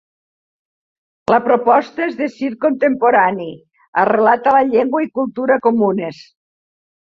La proposta és de circ contemporani arrelat a la llengua i cultura comunes.